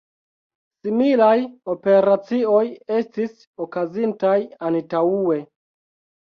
Similaj operacioj estis okazintaj antaŭe.